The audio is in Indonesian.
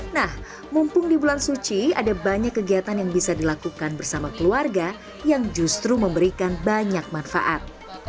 nah mumpung di bulan suci ada banyak kegiatan yang bisa dilakukan bersama keluarga yang justru memberikan banyak manfaat